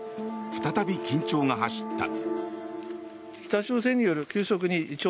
再び緊張が走った。